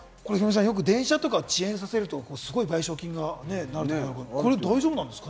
よく電車とか遅延させると、すごい賠償金があるってことですけれども、これ大丈夫なんですか？